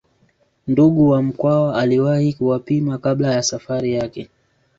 Ndugu wa Mkwawa aliwahi kuwapima kabla ya Safari yake